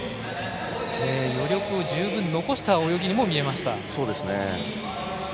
余力を十分残した泳ぎにも見えました。